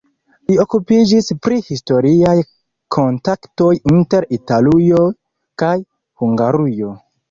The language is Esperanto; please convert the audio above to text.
Li okupiĝis pri historiaj kontaktoj inter Italujo kaj Hungarujo.